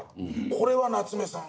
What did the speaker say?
これは夏目さん。